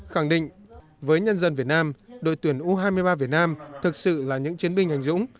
khẳng định với nhân dân việt nam đội tuyển u hai mươi ba việt nam thực sự là những chiến binh hành dũng